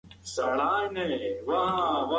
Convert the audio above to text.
موږ په ټولنپوهنه کې انساني ټولنې تر څېړنې لاندې نیسو.